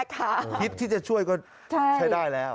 คิดที่จะช่วยก็ใช้ได้แล้ว